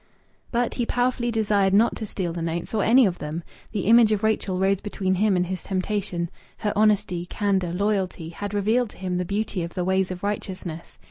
But he powerfully desired not to steal the notes, or any of them. The image of Rachel rose between him and his temptation. Her honesty, candour, loyalty, had revealed to him the beauty of the ways of righteousness.